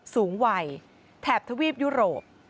สูงวัยแถบทวีปยุโรป